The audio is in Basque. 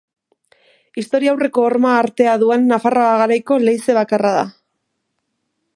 Historiaurreko horma artea duen Nafarroa Garaiko leize bakarra da.